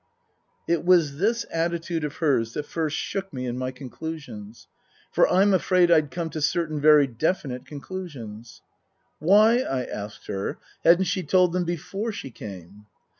It was this attitude of hers that first shook me in my conclusions. For I'm afraid I'd come to certain very definite conclusions. Book I : My Book 75 Why, I asked her, hadn't she told them before she came